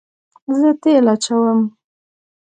زه تیل اچوم